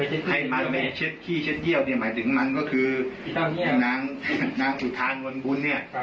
ให้มันไปเช็ดขี้เช็ดเยี่ยวน่าหมายถึงว่านางอุทางวลกุลนะ